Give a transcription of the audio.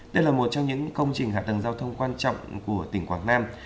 đây là một trong những công trình hạ tầng giao thông quan trọng của tỉnh quảng nam